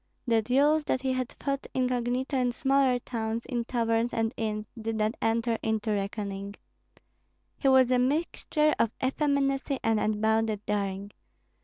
The duels that he had fought incognito in smaller towns, in taverns and inns, did not enter into reckoning. He was a mixture of effeminacy and unbounded daring.